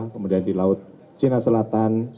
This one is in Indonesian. kemudian di laut cina selatan